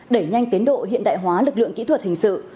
đẩy nhanh tiến độ hiện đại hóa lực lượng kỹ thuật hình sự